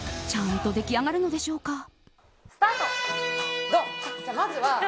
ちゃんとでき上がるのでしょうか。